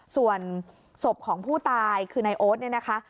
ส่วนศพของผู้ตายคือนายโอ๊ตเนี่ยนะคะ